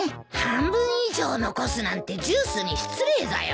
半分以上残すなんてジュースに失礼だよ。